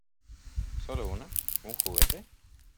¿ Sólo uno? ¿ un juguete ?